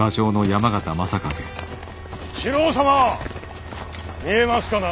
四郎様見えますかな？